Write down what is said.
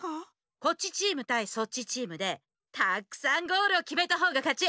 こっちチームたいそっちチームでたくさんゴールをきめたほうがかち。